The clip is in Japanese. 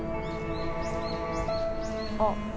あっ！